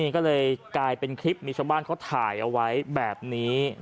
ก็เลยกลายเป็นคลิปมีชาวบ้านเขาถ่ายเอาไว้แบบนี้